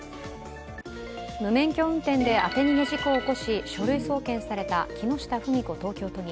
無免許運転で当て逃げ事故を起こし書類送検された木下富美子東京都議。